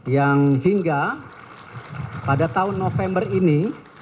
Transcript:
yang hingga pada tahun november ini